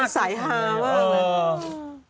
ใส่หามาก